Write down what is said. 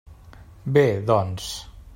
Bé, doncs.